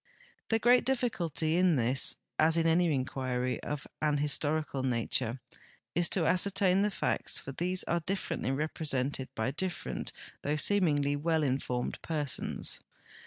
The great difficulty in this, as in a,ny inquiry of an historical nature, is to ascertain the facts, for these are differently represented by differ ent though seemingly Avell in formed persons.